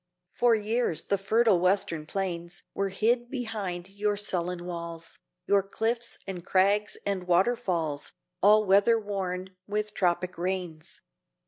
For years the fertile Western plains Were hid behind your sullen walls, Your cliffs and crags and waterfalls All weatherworn with tropic rains.